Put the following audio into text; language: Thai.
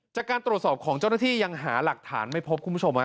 จากการตรวจสอบของเจ้าหน้าที่ยังหาหลักฐานไม่พบคุณผู้ชม